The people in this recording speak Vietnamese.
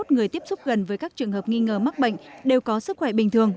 năm trăm tám mươi một người tiếp xúc gần với các trường hợp nghi ngờ mắc bệnh đều có sức khỏe bình thường